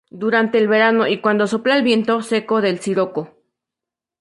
Durante el verano y cuando sopla el viento seco del siroco.